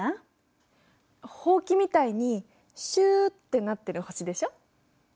ほうきみたいにシューってなってる星でしょ？